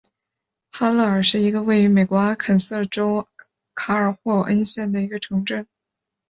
哈勒尔是一个位于美国阿肯色州卡尔霍恩县的城镇。